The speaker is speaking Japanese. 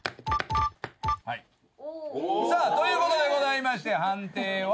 はいさあということでございまして判定は？